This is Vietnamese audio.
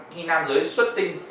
khi nam giới suất tinh